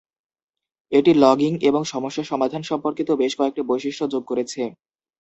এটি লগিং এবং সমস্যা সমাধান সম্পর্কিত বেশ কয়েকটি বৈশিষ্ট্য যোগ করেছে।